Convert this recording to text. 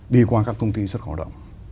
đi qua các công ty xuất khẩu động